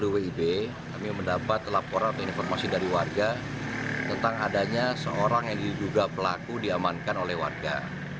wib kami mendapat laporan atau informasi dari warga tentang adanya seorang yang diduga pelaku diamankan oleh warga